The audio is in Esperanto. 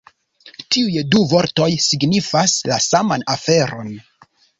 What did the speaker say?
Tiuj du vortoj signifas la saman aferon!